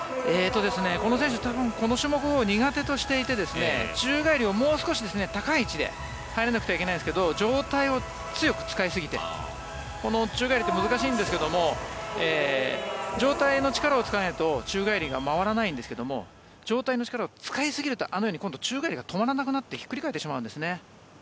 この選手多分この種目を苦手としていて宙返りをもう少し高い位置で入らなくてはいけないんですが上体を強く使いすぎてこの宙返りって難しいんですけれども上体の力を使わないと宙返りが回らないんですが上体の力を使いすぎるとあのように今度宙返りが止まらなくなってひっくり返ってしまうんです。